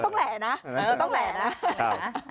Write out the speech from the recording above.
เออแต่ก็ต้องแหลนะต้องแหลนะ